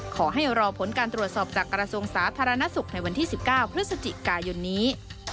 ขอให้รอผลการตรวจสอบจากกระทรวงสาธารณสุขในวันที่๑๙พฤศจิกายนนี้